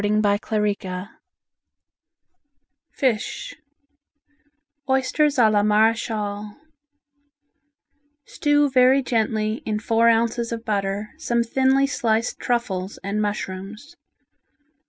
FISH Oysters a la Marechale Stew very gently in four ounces of butter some thinly sliced truffles and mushrooms.